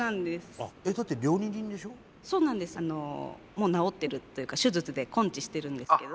もう治ってるというか手術で根治してるんですけど。